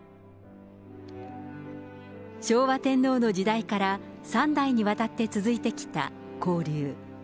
昭和天皇の時代から３代にわたって続いてきた交流。